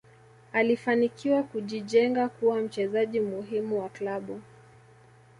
alifanikiwa kujijenga kuwa mchezaji muhimu wa klabu